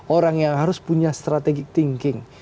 orang yang harus punya strategic thinking